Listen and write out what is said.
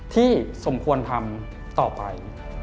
สมควรทำต่อไป